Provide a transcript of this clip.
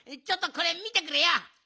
ちょっとこれみてくれよ。